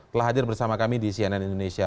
telah hadir bersama kami di cnn indonesia